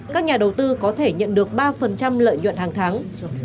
các nhà đầu tư có thể nhận được ba lợi nhuận hàng tháng